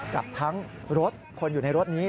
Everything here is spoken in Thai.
กับทั้งรถคนอยู่ในรถนี้